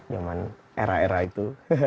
zaman era era itu